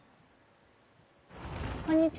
こんにちは。